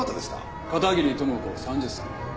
片桐朋子３０歳。